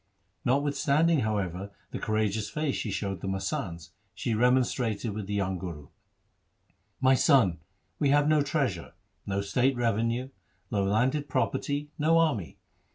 Notwithstanding, however, the courageous face she showed the masands, she remonstrated with the young Guru. ' My son, we have no treasure, no state revenue, no landed property, no army.